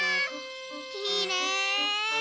きれい！